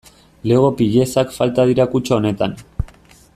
Lego piezak falta dira kutxa honetan.